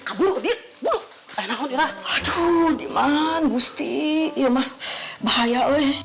aduh diman bustiwa